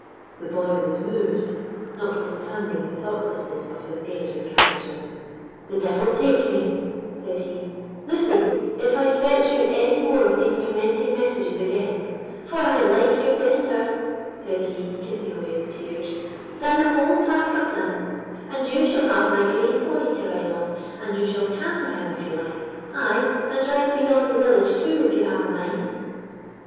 The boy was moved, notwithstanding the thoughtlessness of his age and character. "The devil take me," said he, "Lucy, if I fetch you any more of these tormenting messages again; for I like you better," said he, kissing away the tears, "than the whole pack of them; and you shall have my grey pony to ride on, and you shall canter him if you like—ay, and ride beyond the village, too, if you have a mind."